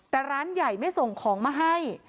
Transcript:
แต่ร้านใหญ่ไม่ส่งของมาให้